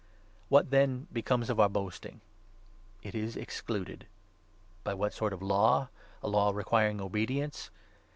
What, then, becomes of our boasting ? It is excluded. 27 By what sort of Law ? A Law requiring obedience